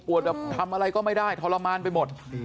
ปวดแบบทำอะไรก็ไม่ได้ทอลลามานไปหมด